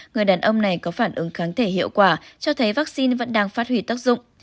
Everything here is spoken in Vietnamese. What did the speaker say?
người đàn ông này có phản ứng kháng thể hiệu quả cho thấy vaccine vẫn đang phát huy tác dụng